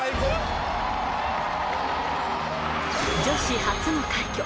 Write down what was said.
女子初の快挙。